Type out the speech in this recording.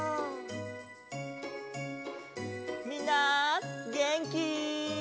みんなげんき？